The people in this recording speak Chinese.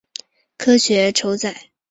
科学酬载